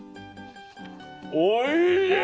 おいしい！